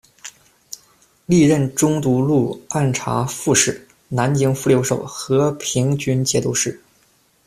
历任中都路按察副使、南京副留守、河平军节度使。